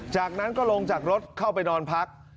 จากนั้นก็ลงจากรถเข้าไปนอนพัก